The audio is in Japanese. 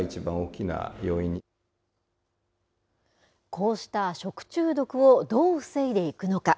こうした食中毒をどう防いでいくのか。